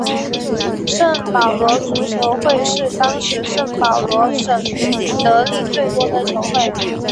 圣保罗足球会是当时圣保罗省得利最多的球会。